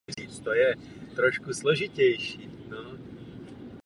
Své zkušenosti později sepsal v knize „The War of Art“.